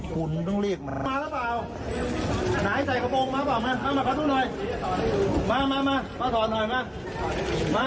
คุณต้องเรียกมามาแล้วเปล่าไหนใส่กระโปรงมาหรือเปล่ามามา